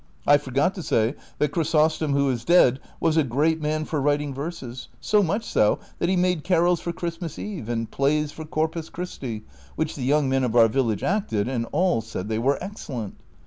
I forgot to say that Chrysostom who is dead was a great man for writing verses, so much so that he made carols for Christmas Eve, and plays ^ for Corpus Christl which the young men of our village acted, and all said they were excellent.